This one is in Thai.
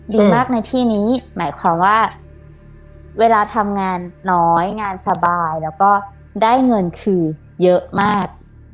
ดีมากในที่นี้หมายความว่าเวลาทำงานน้อยงานสบายแล้วก็ได้เงินคือเยอะมาก